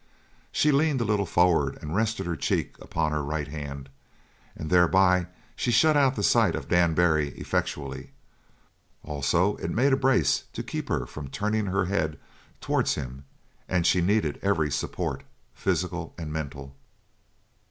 She leaned a little forward and rested her cheek upon her right hand and thereby she shut out the sight of Dan Barry effectually. Also it made a brace to keep her from turning her head towards him, and she needed every support, physical and mental.